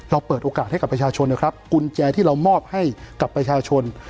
เปิดโอกาสให้กับประชาชนนะครับกุญแจที่เรามอบให้กับประชาชน